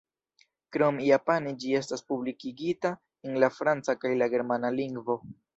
Krom japane ĝi estas publikigita en la franca kaj la germana lingvo.